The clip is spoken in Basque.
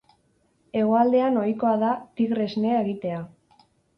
Hegoaldean ohikoa da, tigre esnea egitea.